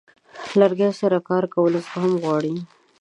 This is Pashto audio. د لرګي سره کار کول زغم غواړي.